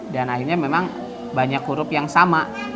dan akhirnya memang banyak huruf yang sama